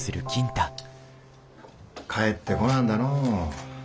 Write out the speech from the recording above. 帰ってこなんだのう。